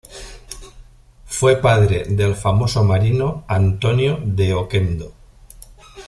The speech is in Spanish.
Fue padre del famoso marino Antonio de Oquendo.